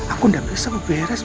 aku gak bisa beres